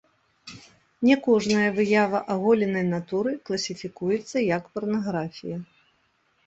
Не кожная выява аголенай натуры класіфікуецца як парнаграфія.